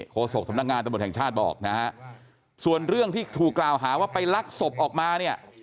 โศกสำนักงานตำรวจแห่งชาติบอกนะฮะส่วนเรื่องที่ถูกกล่าวหาว่าไปลักศพออกมาเนี่ย